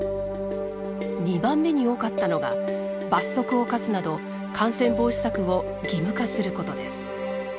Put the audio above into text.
２番目に多かったのが罰則を科すなど感染防止策を義務化することです。